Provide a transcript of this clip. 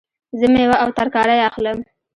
زه میوه او ترکاری اخلم